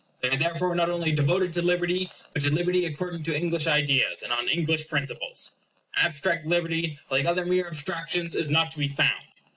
They are therefore not only devoted to liberty, but to liberty according to English ideas, and on English principles. Abstract liberty, like other mere abstractions, is not to be found.